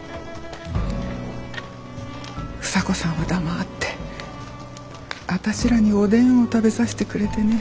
房子さんは黙ってあたしらにおでんを食べさせてくれてね。